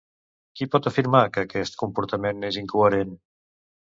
Qui pot afirmar que aquest comportament és incoherent?